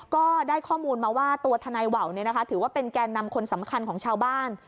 ก็ได้ข้อมูลมาว่าตัวทนายว่าวถือว่าเป็นแกนนำคนสำคัญของชาวบ้าน